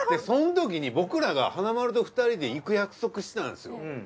そのときに僕らが華丸と２人で行く約束してたんですよ。